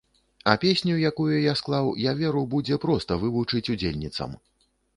А песню, якую я склаў, я веру, будзе проста вывучыць удзельніцам.